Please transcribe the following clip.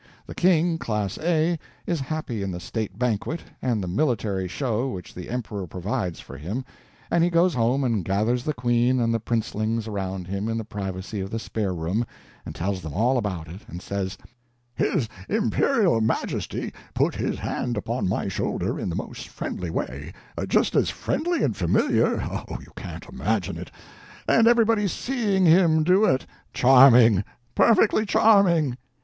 The king, class A, is happy in the state banquet and the military show which the emperor provides for him, and he goes home and gathers the queen and the princelings around him in the privacy of the spare room, and tells them all about it, and says: "His Imperial Majesty put his hand upon my shoulder in the most friendly way just as friendly and familiar, oh, you can't imagine it! and everybody _seeing _him do it; charming, perfectly charming!"